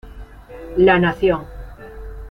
La Nación.